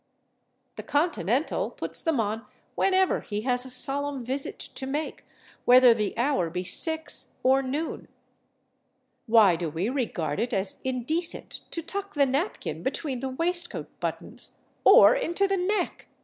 The Continental puts them on whenever he has a solemn visit to make, whether the hour be six or noon. Why do we regard it as indecent to tuck the napkin between the waistcoat buttons—or into the neck!